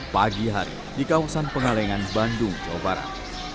pagi hari di kawasan pengalengan bandung jawa barat